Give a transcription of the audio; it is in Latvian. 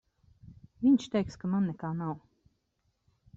Viņš teiks, ka man nekā nav.